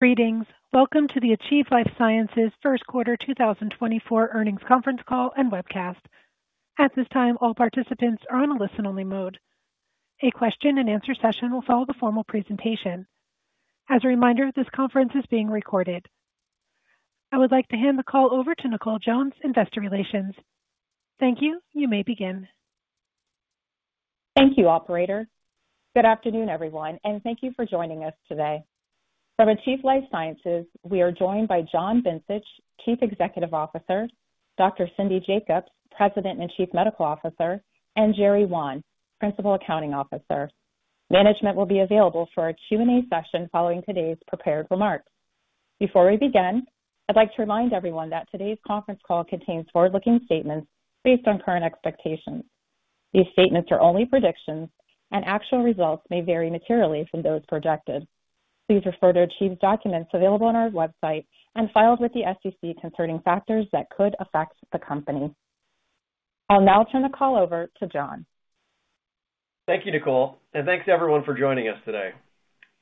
Greetings. Welcome to the Achieve Life Sciences First Quarter 2024 Earnings Conference Call and Webcast. At this time, all participants are on a listen-only mode. A question-and-answer session will follow the formal presentation. As a reminder, this conference is being recorded. I would like to hand the call over to Nicole Jones, Investor Relations. Thank you. You may begin. Thank you, operator. Good afternoon, everyone, and thank you for joining us today. From Achieve Life Sciences, we are joined by John Bencich, Chief Executive Officer, Dr. Cindy Jacobs, President and Chief Medical Officer, and Jerry Wan, Principal Accounting Officer. Management will be available for a Q&A session following today's prepared remarks. Before we begin, I'd like to remind everyone that today's conference call contains forward-looking statements based on current expectations. These statements are only predictions, and actual results may vary materially from those projected. Please refer to Achieve's documents available on our website and filed with the SEC concerning factors that could affect the company. I'll now turn the call over to John. Thank you, Nicole, and thanks everyone for joining us today.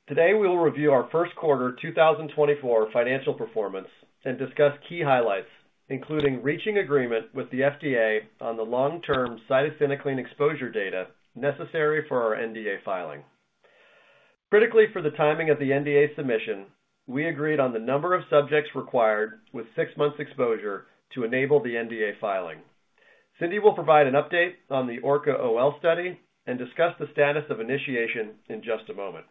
Today we will review our first quarter 2024 financial performance and discuss key highlights, including reaching agreement with the FDA on the long-term cytisinicline exposure data necessary for our NDA filing. Critically for the timing of the NDA submission, we agreed on the number of subjects required with six months' exposure to enable the NDA filing. Cindy will provide an update on the ORCA-OL study and discuss the status of initiation in just a moment.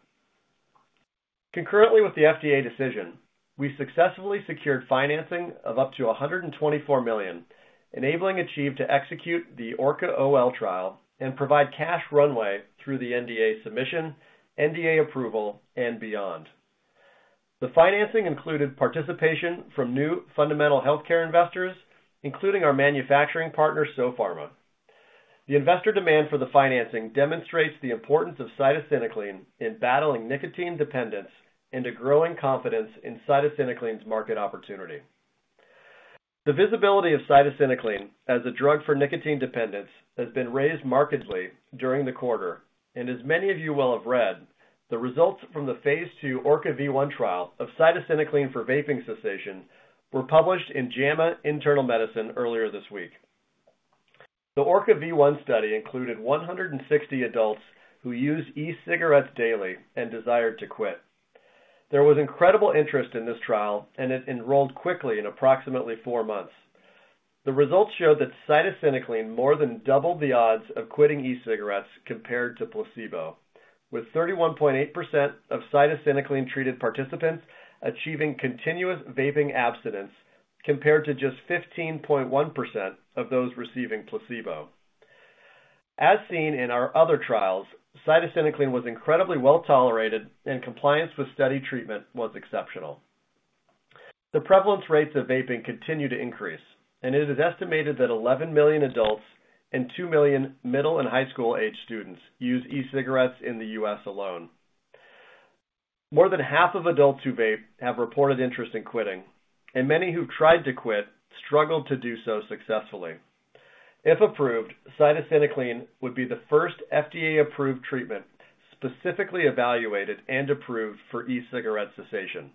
Concurrently with the FDA decision, we successfully secured financing of up to $124 million, enabling Achieve to execute the ORCA-OL trial and provide cash runway through the NDA submission, NDA approval, and beyond. The financing included participation from new fundamental healthcare investors, including our manufacturing partner, Sopharma. The investor demand for the financing demonstrates the importance of cytisinicline in battling nicotine dependence and a growing confidence in cytisinicline's market opportunity. The visibility of cytisinicline as a drug for nicotine dependence has been raised markedly during the quarter, and as many of you will have read, the results from the phase II ORCA-V1 trial of cytisinicline for vaping cessation were published in JAMA Internal Medicine earlier this week. The ORCA-V1 study included 160 adults who used e-cigarettes daily and desired to quit. There was incredible interest in this trial, and it enrolled quickly in approximately four months. The results showed that cytisinicline more than doubled the odds of quitting e-cigarettes compared to placebo, with 31.8% of cytisinicline-treated participants achieving continuous vaping abstinence compared to just 15.1% of those receiving placebo. As seen in our other trials, cytisinicline was incredibly well-tolerated, and compliance with study treatment was exceptional. The prevalence rates of vaping continue to increase, and it is estimated that 11 million adults and 2 million middle and high school-aged students use e-cigarettes in the U.S. alone. More than half of adults who vape have reported interest in quitting, and many who've tried to quit struggled to do so successfully. If approved, cytisinicline would be the first FDA-approved treatment specifically evaluated and approved for e-cigarette cessation.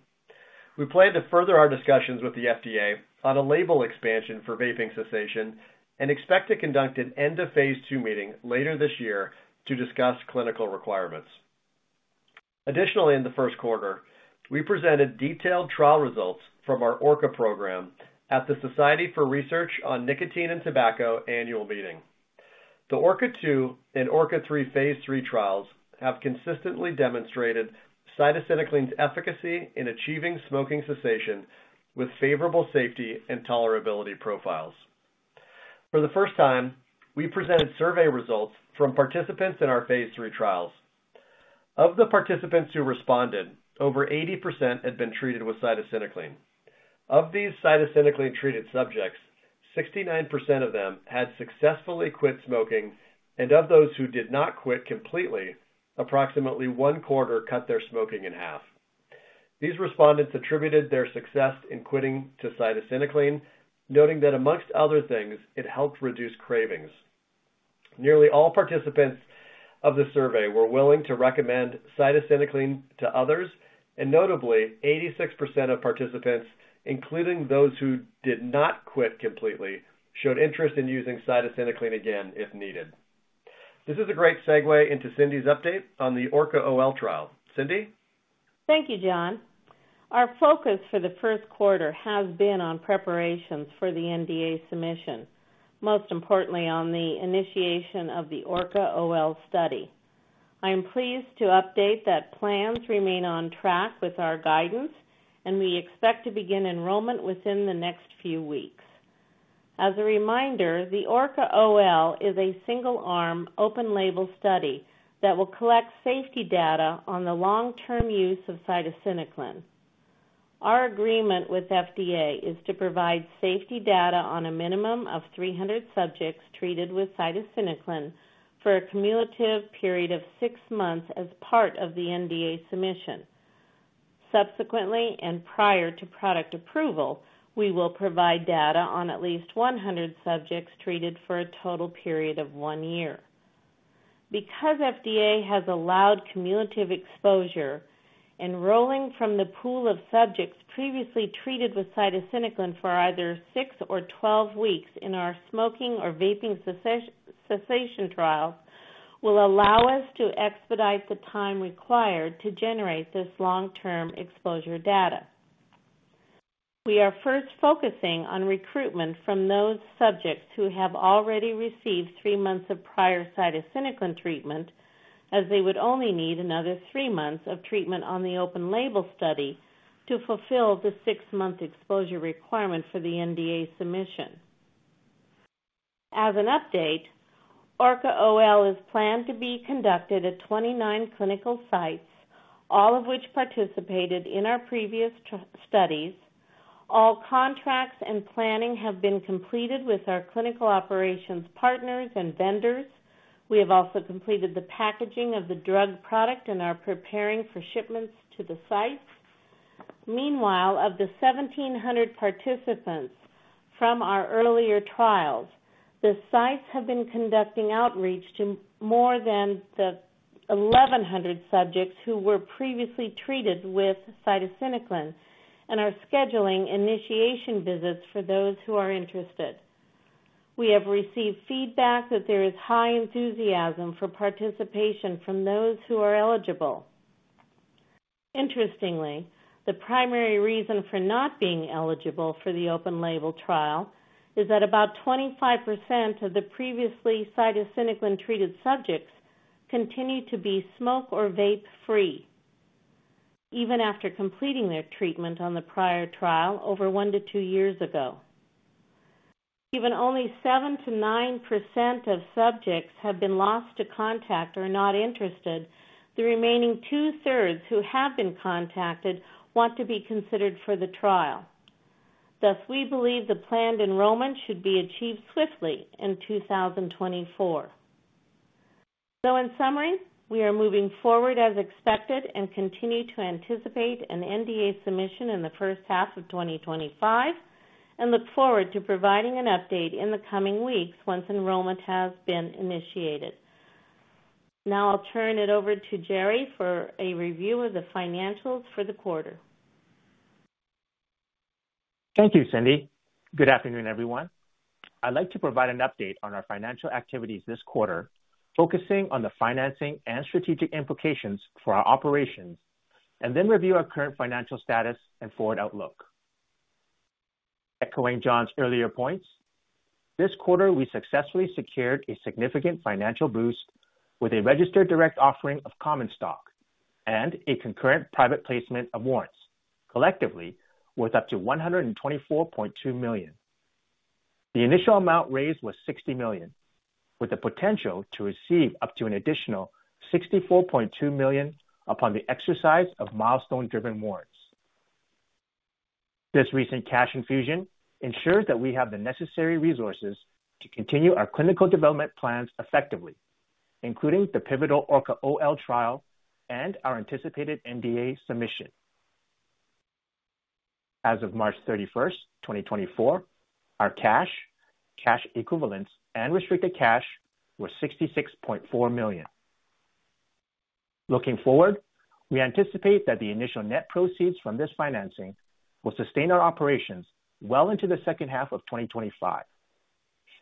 We plan to further our discussions with the FDA on a label expansion for vaping cessation and expect to conduct an End-of-Phase II meeting later this year to discuss clinical requirements. Additionally, in the first quarter, we presented detailed trial results from our ORCA program at the Society for Research on Nicotine and Tobacco annual meeting. The ORCA-2 and ORCA-3 phase III trials have consistently demonstrated cytisinicline's efficacy in achieving smoking cessation with favorable safety and tolerability profiles. For the first time, we presented survey results from participants in our Phase III trials. Of the participants who responded, over 80% had been treated with cytisinicline. Of these cytisinicline-treated subjects, 69% of them had successfully quit smoking, and of those who did not quit completely, approximately one quarter cut their smoking in half. These respondents attributed their success in quitting to cytisinicline, noting that among other things, it helped reduce cravings. Nearly all participants of the survey were willing to recommend cytisinicline to others, and notably, 86% of participants, including those who did not quit completely, showed interest in using cytisinicline again if needed. This is a great segue into Cindy's update on the ORCA-OL trial. Cindy? Thank you, John. Our focus for the first quarter has been on preparations for the NDA submission, most importantly on the initiation of the ORCA-OL study. I am pleased to update that plans remain on track with our guidance, and we expect to begin enrollment within the next few weeks. As a reminder, the ORCA-OL is a single-arm, open-label study that will collect safety data on the long-term use of cytisinicline. Our agreement with FDA is to provide safety data on a minimum of 300 subjects treated with cytisinicline for a cumulative period of six months as part of the NDA submission. Subsequently and prior to product approval, we will provide data on at least 100 subjects treated for a total period of one year. Because FDA has allowed cumulative exposure, enrolling from the pool of subjects previously treated with cytisinicline for either six or 12 weeks in our smoking or vaping cessation trials will allow us to expedite the time required to generate this long-term exposure data. We are first focusing on recruitment from those subjects who have already received three months of prior cytisinicline treatment, as they would only need another three months of treatment on the open-label study to fulfill the six-month exposure requirement for the NDA submission. As an update, ORCA-OL is planned to be conducted at 29 clinical sites, all of which participated in our previous studies. All contracts and planning have been completed with our clinical operations partners and vendors. We have also completed the packaging of the drug product and are preparing for shipments to the sites. Meanwhile, of the 1,700 participants from our earlier trials, the sites have been conducting outreach to more than the 1,100 subjects who were previously treated with cytisinicline and are scheduling initiation visits for those who are interested. We have received feedback that there is high enthusiasm for participation from those who are eligible. Interestingly, the primary reason for not being eligible for the open-label trial is that about 25% of the previously cytisinicline-treated subjects continue to be smoke- or vape-free, even after completing their treatment on the prior trial over one to two years ago. Given only 7%-9% of subjects have been lost to contact or not interested, the remaining two-thirds who have been contacted want to be considered for the trial. Thus, we believe the planned enrollment should be achieved swiftly in 2024. So in summary, we are moving forward as expected and continue to anticipate an NDA submission in the first half of 2025, and look forward to providing an update in the coming weeks once enrollment has been initiated. Now I'll turn it over to Jerry for a review of the financials for the quarter. Thank you, Cindy. Good afternoon, everyone. I'd like to provide an update on our financial activities this quarter, focusing on the financing and strategic implications for our operations, and then review our current financial status and forward outlook. Echoing John's earlier points, this quarter we successfully secured a significant financial boost with a registered direct offering of common stock and a concurrent private placement of warrants, collectively worth up to $124.2 million. The initial amount raised was $60 million, with the potential to receive up to an additional $64.2 million upon the exercise of milestone-driven warrants. This recent cash infusion ensures that we have the necessary resources to continue our clinical development plans effectively, including the pivotal ORCA-OL trial and our anticipated NDA submission. As of March 31, 2024, our cash, cash equivalents, and restricted cash were $66.4 million. Looking forward, we anticipate that the initial net proceeds from this financing will sustain our operations well into the second half of 2025.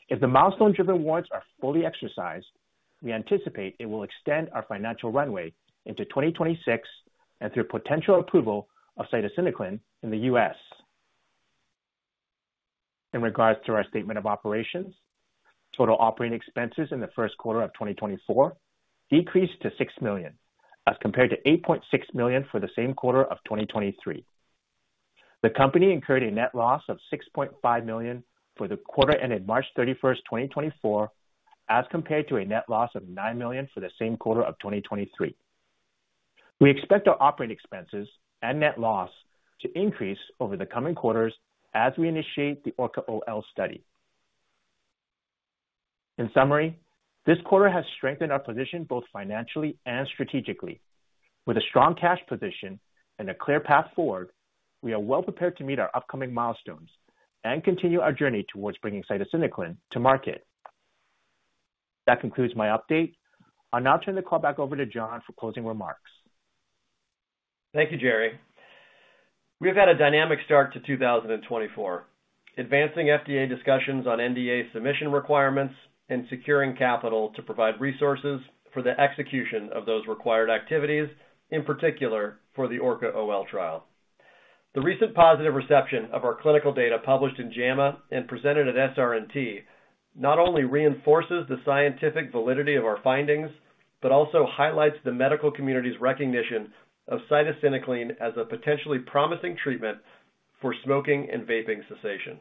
If the milestone-driven warrants are fully exercised, we anticipate it will extend our financial runway into 2026 and through potential approval of cytisinicline in the U.S. In regards to our statement of operations, total operating expenses in the first quarter of 2024 decreased to $6 million as compared to $8.6 million for the same quarter of 2023. The company incurred a net loss of $6.5 million for the quarter ended March 31, 2024, as compared to a net loss of $9 million for the same quarter of 2023. We expect our operating expenses and net loss to increase over the coming quarters as we initiate the ORCA-OL study. In summary, this quarter has strengthened our position both financially and strategically. With a strong cash position and a clear path forward, we are well prepared to meet our upcoming milestones and continue our journey towards bringing cytisinicline to market. That concludes my update. I'll now turn the call back over to John for closing remarks. Thank you, Jerry. We have had a dynamic start to 2024, advancing FDA discussions on NDA submission requirements and securing capital to provide resources for the execution of those required activities, in particular for the ORCA-OL trial. The recent positive reception of our clinical data published in JAMA and presented at SRNT not only reinforces the scientific validity of our findings but also highlights the medical community's recognition of cytisinicline as a potentially promising treatment for smoking and vaping cessation.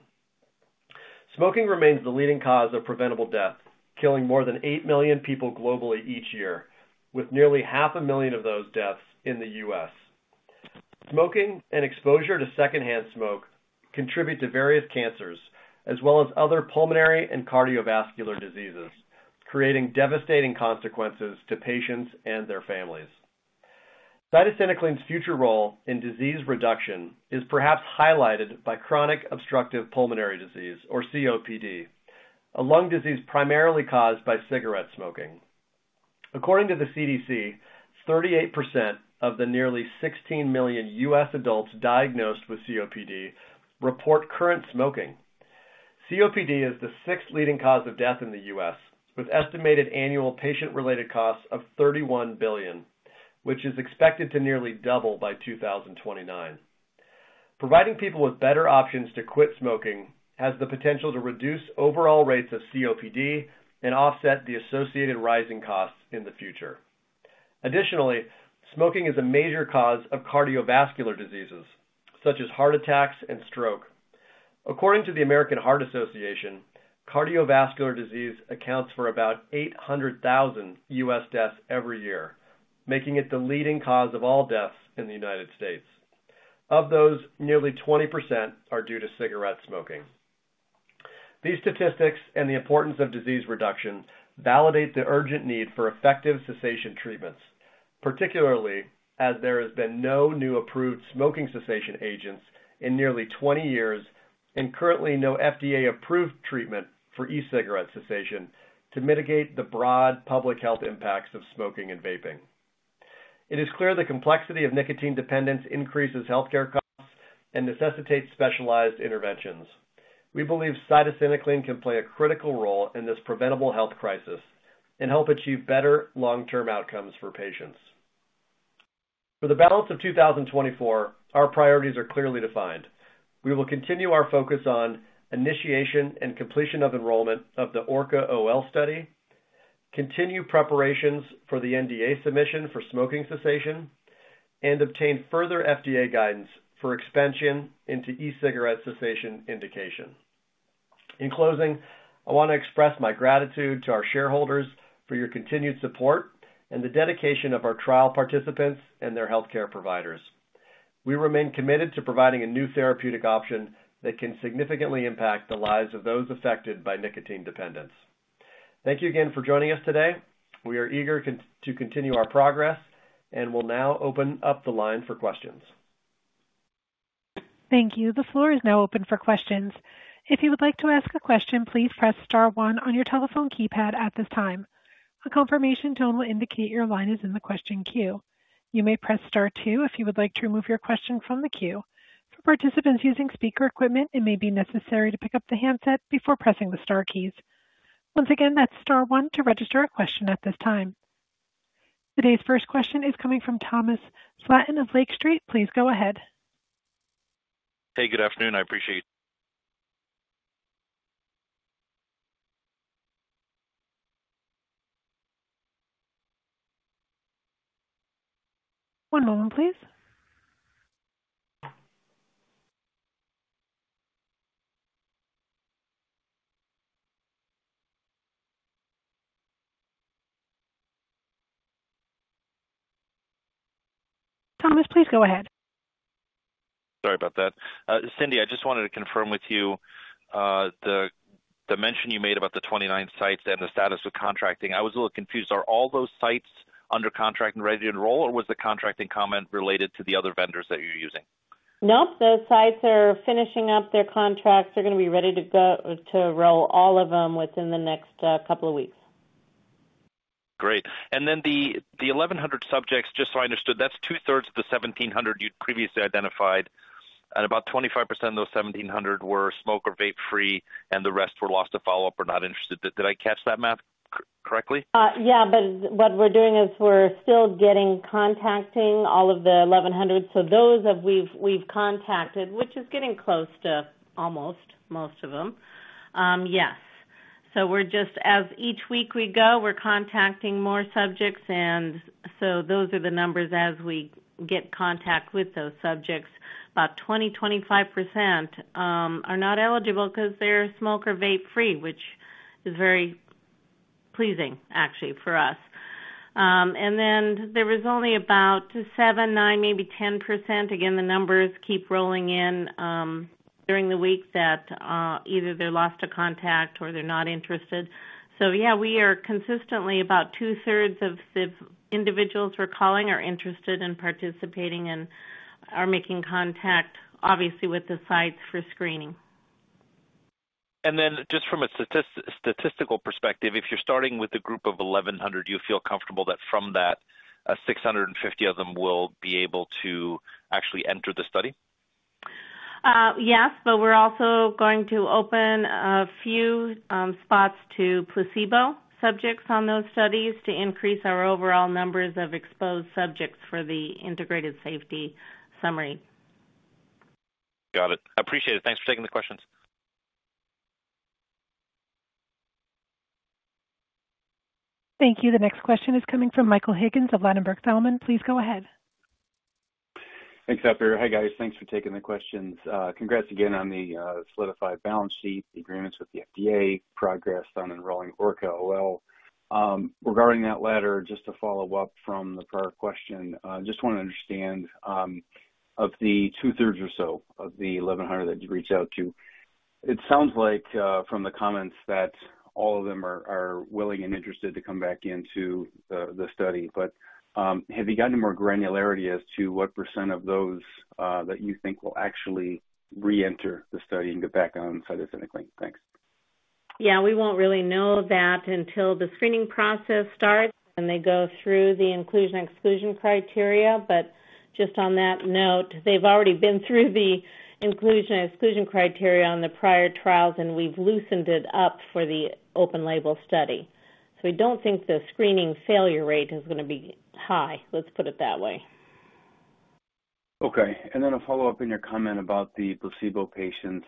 Smoking remains the leading cause of preventable death, killing more than 8 million people globally each year, with nearly 500,000 of those deaths in the U.S. Smoking and exposure to secondhand smoke contribute to various cancers as well as other pulmonary and cardiovascular diseases, creating devastating consequences to patients and their families. Cytisinicline's future role in disease reduction is perhaps highlighted by chronic obstructive pulmonary disease, or COPD, a lung disease primarily caused by cigarette smoking. According to the CDC, 38% of the nearly 16 million U.S. adults diagnosed with COPD report current smoking. COPD is the sixth leading cause of death in the U.S., with estimated annual patient-related costs of $31 billion, which is expected to nearly double by 2029. Providing people with better options to quit smoking has the potential to reduce overall rates of COPD and offset the associated rising costs in the future. Additionally, smoking is a major cause of cardiovascular diseases, such as heart attacks and stroke. According to the American Heart Association, cardiovascular disease accounts for about 800,000 U.S. deaths every year, making it the leading cause of all deaths in the United States. Of those, nearly 20% are due to cigarette smoking. These statistics and the importance of disease reduction validate the urgent need for effective cessation treatments, particularly as there have been no new approved smoking cessation agents in nearly 20 years and currently no FDA-approved treatment for e-cigarette cessation to mitigate the broad public health impacts of smoking and vaping. It is clear the complexity of nicotine dependence increases healthcare costs and necessitates specialized interventions. We believe cytisinicline can play a critical role in this preventable health crisis and help achieve better long-term outcomes for patients. For the balance of 2024, our priorities are clearly defined. We will continue our focus on initiation and completion of enrollment of the ORCA-OL study, continue preparations for the NDA submission for smoking cessation, and obtain further FDA guidance for expansion into e-cigarette cessation indication. In closing, I want to express my gratitude to our shareholders for your continued support and the dedication of our trial participants and their healthcare providers. We remain committed to providing a new therapeutic option that can significantly impact the lives of those affected by nicotine dependence. Thank you again for joining us today. We are eager to continue our progress, and we'll now open up the line for questions. Thank you. The floor is now open for questions. If you would like to ask a question, please press star one on your telephone keypad at this time. A confirmation tone will indicate your line is in the question queue. You may press star two if you would like to remove your question from the queue. For participants using speaker equipment, it may be necessary to pick up the handset before pressing the star keys. Once again, that's star one to register a question at this time. Today's first question is coming from Thomas Flaten of Lake Street. Please go ahead. Hey, good afternoon. I appreciate you. One moment, please. Thomas, please go ahead. Sorry about that. Cindy, I just wanted to confirm with you, the mention you made about the 29 sites and the status with contracting. I was a little confused. Are all those sites under contract and ready to enroll, or was the contracting comment related to the other vendors that you're using? Nope. The sites are finishing up their contracts. They're going to be ready to go to roll all of them within the next couple of weeks. Great. And then the 1,100 subjects, just so I understood, that's two-thirds of the 1,700 you'd previously identified, and about 25% of those 1,700 were smoke- or vape-free, and the rest were lost to follow-up or not interested. Did I catch that math correctly? Yeah, but what we're doing is we're still getting contacting all of the 1,100. So those have we've, we've contacted, which is getting close to almost most of them. Yes. So we're just as each week we go, we're contacting more subjects, and so those are the numbers as we get contact with those subjects. About 20%-25% are not eligible because they're smoke- or vape-free, which is very pleasing, actually, for us. And then there was only about 7%-9%, maybe 10%. Again, the numbers keep rolling in, during the week that, either they're lost to contact or they're not interested. So yeah, we are consistently about two-thirds of the individuals we're calling are interested in participating and are making contact, obviously, with the sites for screening. just from a statistical perspective, if you're starting with a group of 1,100, do you feel comfortable that from that, 650 of them will be able to actually enter the study? Yes, but we're also going to open a few spots to placebo subjects on those studies to increase our overall numbers of exposed subjects for the integrated safety summary. Got it. Appreciate it. Thanks for taking the questions. Thank you. The next question is coming from Michael Higgins of Ladenburg Thalmann. Please go ahead. Thanks, Dr. Hey, guys. Thanks for taking the questions. Congrats again on the solidified balance sheet, the agreements with the FDA, progress on enrolling ORCA-OL. Regarding that letter, just to follow up from the prior question, just want to understand, of the two-thirds or so of the 1,100 that you reached out to, it sounds like, from the comments that all of them are willing and interested to come back into the study. But have you gotten more granularity as to what percent of those that you think will actually re-enter the study and get back on cytisinicline? Thanks. Yeah, we won't really know that until the screening process starts and they go through the inclusion/exclusion criteria. But just on that note, they've already been through the inclusion/exclusion criteria on the prior trials, and we've loosened it up for the open-label study. So we don't think the screening failure rate is going to be high, let's put it that way. Okay. And then a follow-up in your comment about the placebo patients,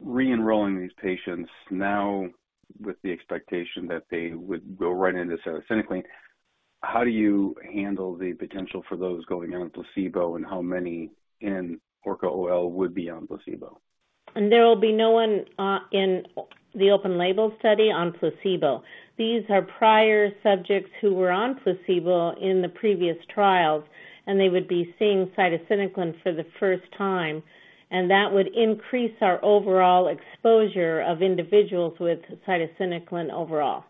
re-enrolling these patients now with the expectation that they would go right into cytisinicline, how do you handle the potential for those going on placebo and how many in ORCA-OL would be on placebo? There will be no one in the open-label study on placebo. These are prior subjects who were on placebo in the previous trials, and they would be seeing cytisinicline for the first time, and that would increase our overall exposure of individuals with cytisinicline overall.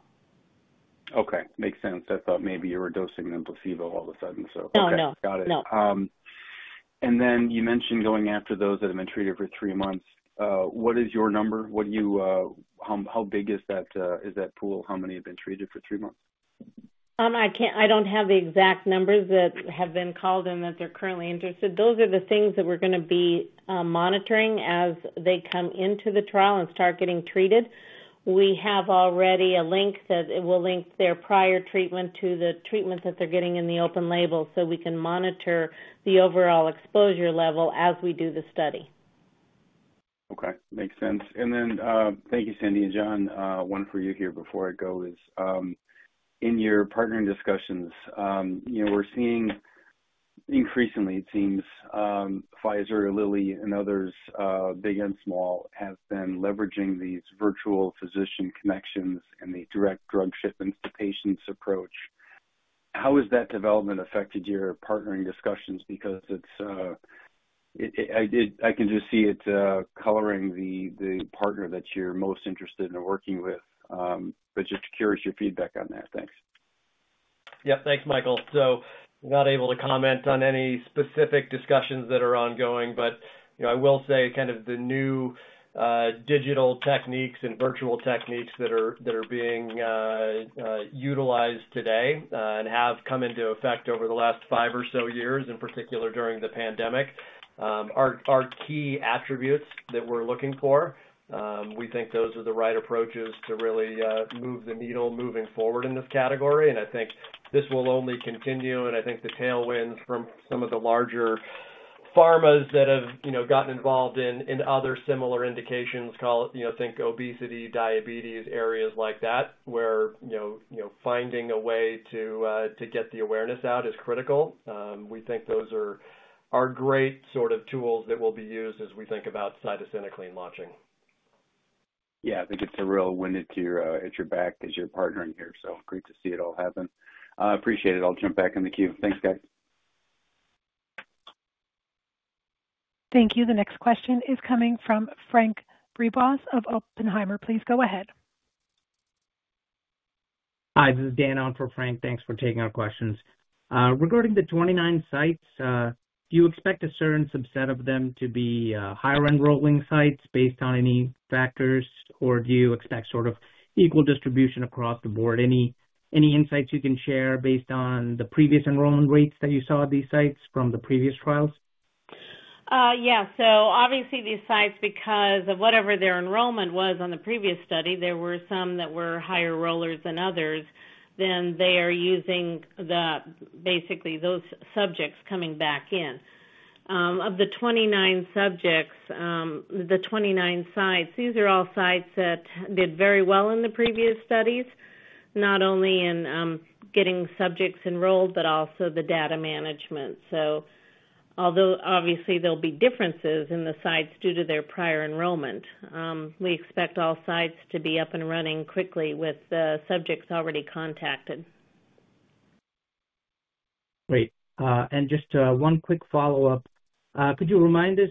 Okay. Makes sense. I thought maybe you were dosing them placebo all of a sudden, so. No, no. Okay. Got it. No. Then you mentioned going after those that have been treated for three months. What is your number? How big is that pool? How many have been treated for three months? I can't. I don't have the exact numbers that have been called in that they're currently interested. Those are the things that we're going to be monitoring as they come into the trial and start getting treated. We have already a link that will link their prior treatment to the treatment that they're getting in the open label so we can monitor the overall exposure level as we do the study. Okay. Makes sense. And then, thank you, Cindy and John. One for you here before I go is, in your partnering discussions, you know, we're seeing increasingly, it seems, Pfizer or Lilly and others, big and small, have been leveraging these virtual physician connections and the direct drug shipments to patients approach. How has that development affected your partnering discussions? Because it's, it, it—I mean, I can just see it, coloring the, the partner that you're most interested in working with, but just curious your feedback on that. Thanks. Yep. Thanks, Michael. So I'm not able to comment on any specific discussions that are ongoing, but, you know, I will say kind of the new, digital techniques and virtual techniques that are, that are being, utilized today, and have come into effect over the last five or so years, in particular during the pandemic, are, are key attributes that we're looking for. We think those are the right approaches to really, move the needle moving forward in this category, and I think this will only continue, and I think the tailwinds from some of the larger pharmas that have, you know, gotten involved in, in other similar indications called, you know, think obesity, diabetes, areas like that where, you know, you know, finding a way to, to get the awareness out is critical. We think those are great sort of tools that will be used as we think about cytisinicline launching. Yeah. I think it's a real wind at your, at your back as you're partnering here, so great to see it all happen. Appreciate it. I'll jump back in the queue. Thanks, guys. Thank you. The next question is coming from Frank Brisebois of Oppenheimer. Please go ahead. Hi. This is Dan Owen for Frank. Thanks for taking our questions. Regarding the 29 sites, do you expect a certain subset of them to be higher enrolling sites based on any factors, or do you expect sort of equal distribution across the board? Any insights you can share based on the previous enrollment rates that you saw at these sites from the previous trials? Yeah. So obviously, these sites, because of whatever their enrollment was on the previous study, there were some that were higher rollers than others. Then they are using basically those subjects coming back in. Of the 29 subjects, the 29 sites, these are all sites that did very well in the previous studies, not only in getting subjects enrolled but also the data management. So although obviously, there'll be differences in the sites due to their prior enrollment, we expect all sites to be up and running quickly with the subjects already contacted. Great. And just one quick follow-up. Could you remind us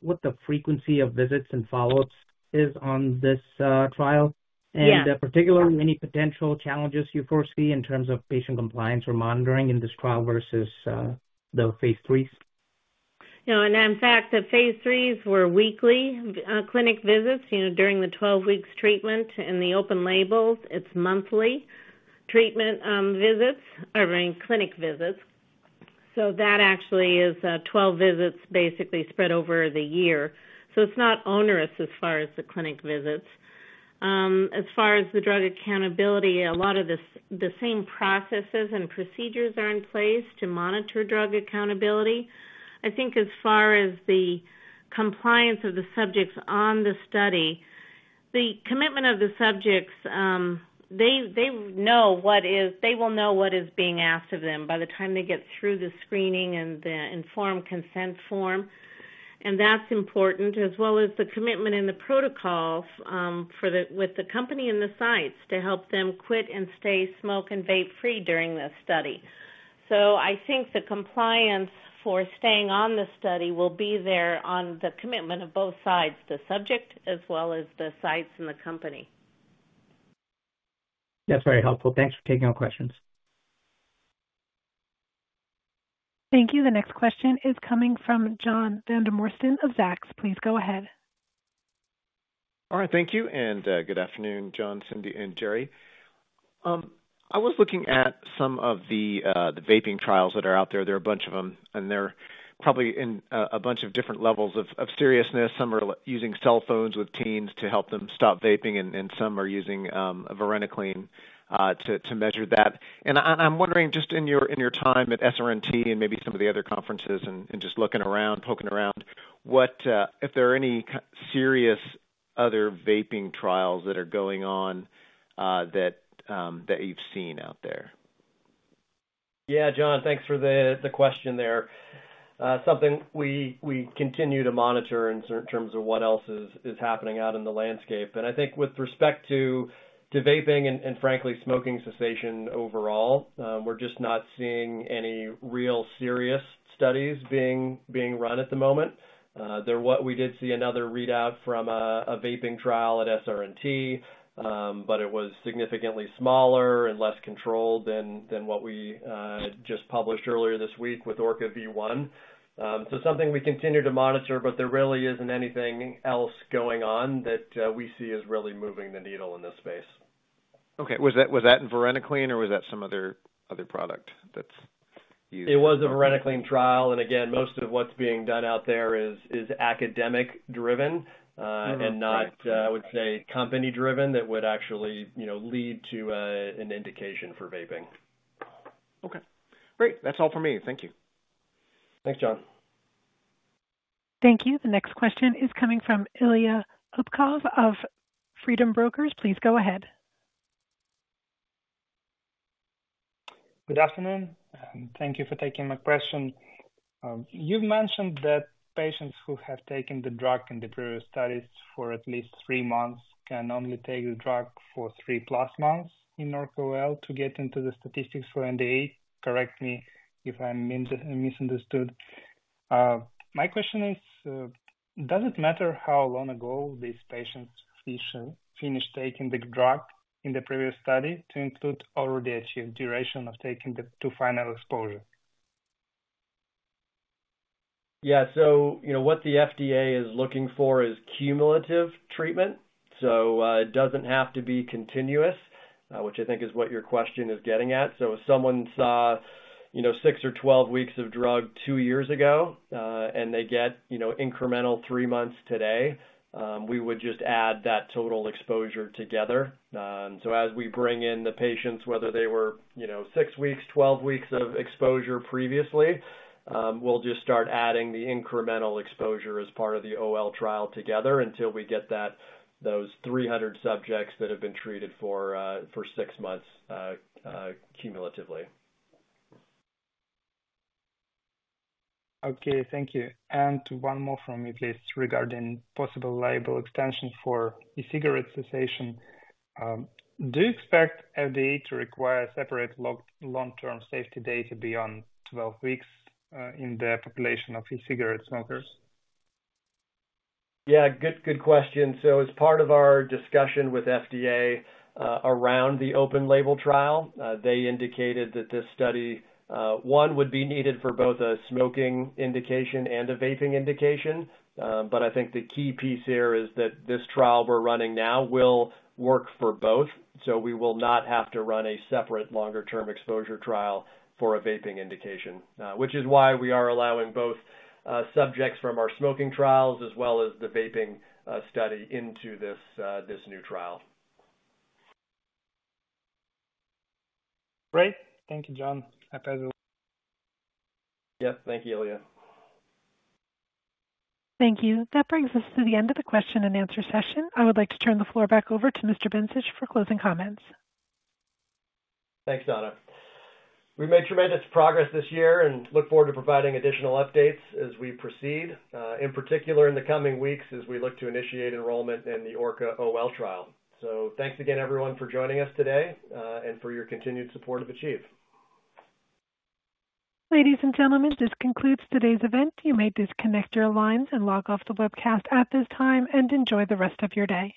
what the frequency of visits and follow-ups is on this trial and particularly any potential challenges you foresee in terms of patient compliance or monitoring in this trial versus the phase IIIs? You know, and in fact, the phase IIIs were weekly clinic visits, you know, during the 12-week treatment. In the open labels, it's monthly treatment visits or, I mean, clinic visits. So that actually is 12 visits basically spread over the year. So it's not onerous as far as the clinic visits. As far as the drug accountability, a lot of this the same processes and procedures are in place to monitor drug accountability. I think as far as the compliance of the subjects on the study, the commitment of the subjects, they, they know what is they will know what is being asked of them by the time they get through the screening and the informed consent form. And that's important, as well as the commitment in the protocol for the with the company and the sites to help them quit and stay smoke- and vape-free during this study. I think the compliance for staying on the study will be there on the commitment of both sides, the subject as well as the sites and the company. That's very helpful. Thanks for taking our questions. Thank you. The next question is coming from John Vandermosten of Zacks. Please go ahead. All right. Thank you. Good afternoon, John, Cindy, and Jerry. I was looking at some of the vaping trials that are out there. There are a bunch of them, and they're probably in a bunch of different levels of seriousness. Some are using cell phones with teens to help them stop vaping, and some are using varenicline to measure that. And I'm wondering, just in your time at SRNT and maybe some of the other conferences and just looking around, poking around, what if there are any kind of serious other vaping trials that are going on, that you've seen out there? Yeah, John. Thanks for the question there. Something we continue to monitor in certain terms of what else is happening out in the landscape. And I think with respect to vaping and frankly, smoking cessation overall, we're just not seeing any real serious studies being run at the moment. We did see another readout from a vaping trial at SRNT, but it was significantly smaller and less controlled than what we just published earlier this week with ORCA-V1. So something we continue to monitor, but there really isn't anything else going on that we see is really moving the needle in this space. Okay. Was that in varenicline, or was that some other product that's used? It was a varenicline trial. And again, most of what's being done out there is academic-driven, and not, I would say, company-driven that would actually, you know, lead to an indication for vaping. Okay. Great. That's all for me. Thank you. Thanks, John. Thank you. The next question is coming from Ilya Zubkov of Freedom Broker. Please go ahead. Good afternoon. Thank you for taking my question. You've mentioned that patients who have taken the drug in the previous studies for at least three months can only take the drug for three-plus months in ORCA-OL to get into the statistics for NDA. Correct me if I'm misunderstood. My question is, does it matter how long ago these patients finish taking the drug in the previous study to include already achieved duration of taking the two final exposures? Yeah. So, you know, what the FDA is looking for is cumulative treatment. So, it doesn't have to be continuous, which I think is what your question is getting at. So if someone saw, you know, six or 12 weeks of drug two years ago, and they get, you know, incremental three months today, we would just add that total exposure together. So as we bring in the patients, whether they were, you know, six weeks, 12 weeks of exposure previously, we'll just start adding the incremental exposure as part of the OL trial together until we get that those 300 subjects that have been treated for, for six months, cumulatively. Okay. Thank you. One more from me, please, regarding possible label extension for e-cigarette cessation. Do you expect FDA to require separate long-term safety data beyond 12 weeks, in the population of e-cigarette smokers? Yeah. Good, good question. So as part of our discussion with FDA, around the open-label trial, they indicated that this study, one, would be needed for both a smoking indication and a vaping indication. But I think the key piece here is that this trial we're running now will work for both, so we will not have to run a separate longer-term exposure trial for a vaping indication, which is why we are allowing both, subjects from our smoking trials as well as the vaping, study into this, this new trial. Great. Thank you, John. Happy as well. Yep. Thank you, Ilya. Thank you. That brings us to the end of the question and answer session. I would like to turn the floor back over to Mr. Bencich for closing comments. Thanks, Donna. We made tremendous progress this year and look forward to providing additional updates as we proceed, in particular in the coming weeks as we look to initiate enrollment in the ORCA-OL trial. So thanks again, everyone, for joining us today, and for your continued support of Achieve. Ladies and gentlemen, this concludes today's event. You may disconnect your lines and log off the webcast at this time and enjoy the rest of your day.